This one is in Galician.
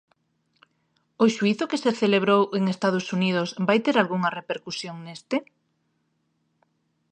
O xuízo que se celebrou en Estados Unidos vai ter algunha repercusión neste?